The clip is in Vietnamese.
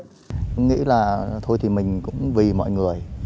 tôi nghĩ là thôi thì mình cũng vì mọi người